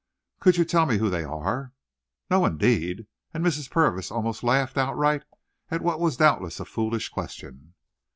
"Could you tell me who they are?" "No, indeed;" and Mrs. Purvis almost laughed outright, at what was doubtless a foolish question.